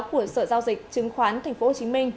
của sở giao dịch chứng khoán tp hcm